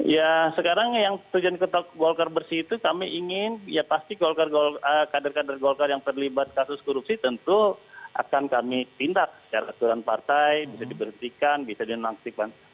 ya sekarang yang tujuan golkar bersih itu kami ingin ya pasti kader kader golkar yang terlibat kasus korupsi tentu akan kami pindah secara aturan partai bisa diberhentikan bisa dinantikan